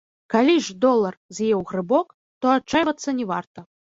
Калі ж долар з'еў грыбок, то адчайвацца не варта.